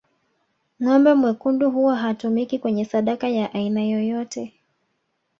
Ngombe mwekundu huwa hatumiki kwenye sadaka ya aina yoyote